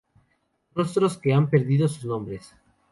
Rostros que han perdido sus nombres.